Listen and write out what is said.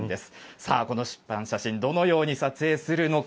さあ、この湿板写真、どのように撮影するのか。